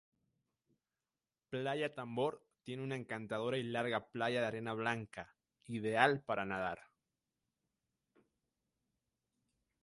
Playa Tambor tiene una encantadora y larga playa de arena blanca, ideal para nadar.